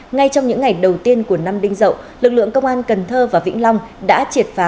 ngay trong những ngày đầu tiên của năm đinh dậu lực lượng công an cần thơ và vĩnh long đã triệt phá